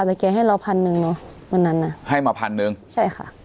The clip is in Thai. แต่แกให้เราพันหนึ่งเนอะวันนั้นน่ะให้มาพันหนึ่งใช่ค่ะ